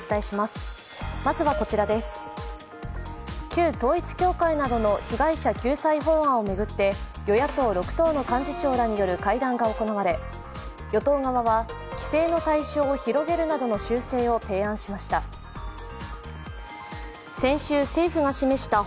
旧統一教会などの被害者救済法案を巡って与野党６党の幹事長らによる会談が行われ与党側は、規制の対象を広げるなどの修正を提案しました。